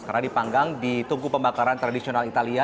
karena dipanggang di tungku pembakaran tradisional italia